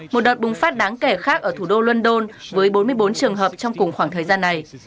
một đợt bùng phát đáng kể khác ở thủ đô london với bốn mươi bốn trường hợp trong cùng khoảng thời gian này